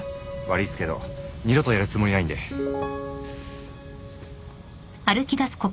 悪いっすけど二度とやるつもりないんで。っす。